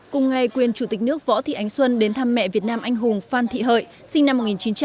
cùng ngày quyền chủ tịch nước võ thị ánh xuân đến thăm mẹ việt nam anh hùng phan thị hợi sinh năm một nghìn chín trăm tám mươi